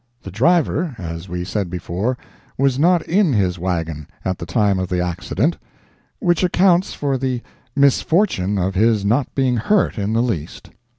The driver, as we said before, was not in his wagon at the time of the accident, which accounts for the misfortune of his not being hurt in the least.